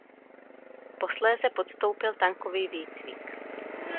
Posléze podstoupil tankový výcvik.